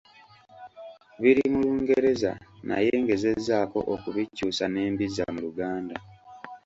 Biri mu Lungereza naye ngezezzaako okubikyusa ne mbizza mu Luganda.